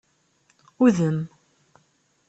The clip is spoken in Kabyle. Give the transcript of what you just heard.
Udem.